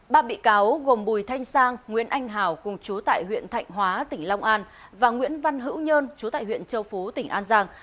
ba bị cáo gồm bùi thanh sang nguyễn anh hào cùng chú tại huyện thạnh hóa tỉnh long an và nguyễn văn hữu nhơn chú tại huyện châu phú tỉnh an giang